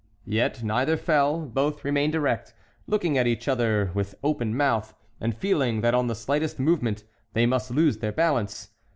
Yet neither fell. Both remained erect, looking at each other with open mouth, and feeling that on the slightest movement they must lose their balance.